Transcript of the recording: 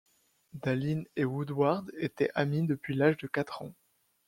Dallin et Woodward étaient amies depuis l'âge de quatre ans.